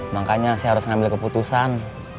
makanya saya harus ngambil keputusan